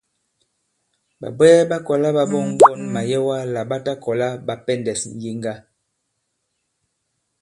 Ɓàbwɛɛ ɓa kɔ̀la ɓa ɓɔ̂ŋ ɓɔn màyɛwa lā ɓa ta kɔ̀la ɓa pɛndɛ̄s ŋ̀yeŋga.